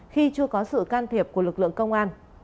khi chưa có sự can thiệp của lực lượng công an